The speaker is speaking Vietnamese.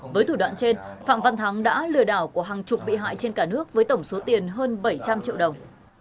với thủ đoạn trên phạm văn thắng đã lừa đảo của hàng chục bị hại trên cả nước với tổng số tiền hơn bảy trăm linh triệu đồng